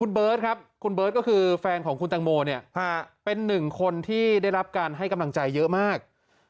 คุณเบิร์ตครับคุณเบิร์ตก็คือแฟนของคุณตังโมเนี่ยเป็นหนึ่งคนที่ได้รับการให้กำลังใจเยอะมาก